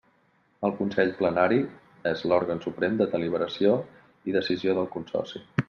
El Consell Plenari és l'òrgan suprem de deliberació i decisió del Consorci.